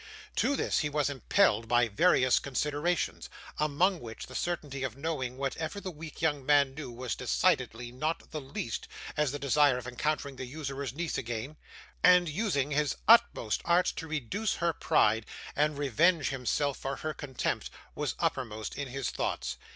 To this he was impelled by various considerations; among which the certainty of knowing whatever the weak young man knew was decidedly not the least, as the desire of encountering the usurer's niece again, and using his utmost arts to reduce her pride, and revenge himself for her contempt, was uppermost in his thoughts.